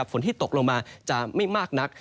ฝนที่ตกลงมาจะไม่มากนัก